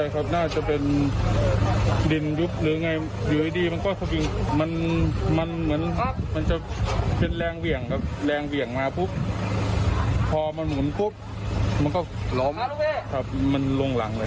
ก็เลยบาดเจ็บเล็กน้อย